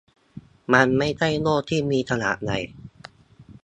มันไม่ใช่โลกที่มีขนาดใหญ่